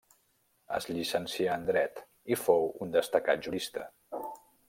Es llicencià en dret i fou un destacat jurista.